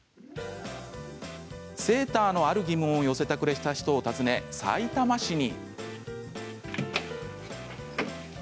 セーターの、ある疑問を寄せてくれた人を訪ねさいたま市に。